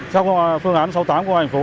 sau phương án sáu mươi tám của hoa hành phố